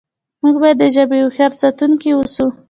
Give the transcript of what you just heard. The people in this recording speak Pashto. موږ باید د ژبې هوښیار ساتونکي اوسو.